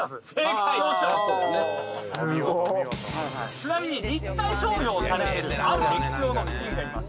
ちなみに立体商標されてるある歴史上の偉人がいます。